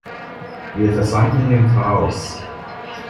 Wir versanken im Chaos!